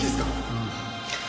うん。